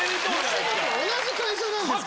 吉本同じ会社なんですから。